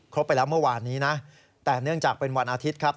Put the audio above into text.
ไปแล้วเมื่อวานนี้นะแต่เนื่องจากเป็นวันอาทิตย์ครับ